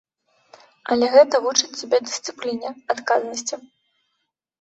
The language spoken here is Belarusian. Але гэта вучыць цябе дысцыпліне, адказнасці.